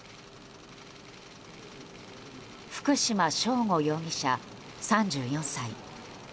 福島聖悟容疑者、３４歳。